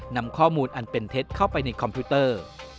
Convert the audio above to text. นำข้อมูลอันเป็นเท็จเข้าไปในคอมพิวเตอร์